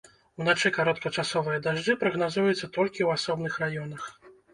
Уначы кароткачасовыя дажджы прагназуюцца толькі ў асобных раёнах.